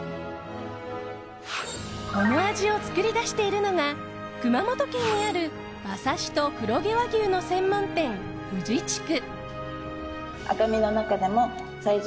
この味を作り出しているのが熊本県にある馬刺しと黒毛和牛の専門店フジチク。